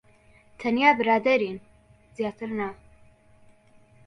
تەنیا برادەرین. زیاتر نا.